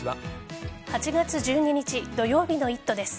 ８月１２日土曜日の「イット！」です。